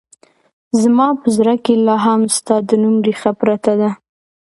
زما په زړه کې لا هم ستا د نوم رېښه پرته ده